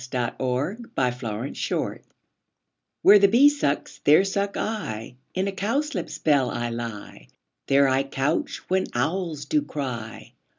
Fairy Land iv WHERE the bee sucks, there suck I: In a cowslip's bell I lie; There I couch when owls do cry.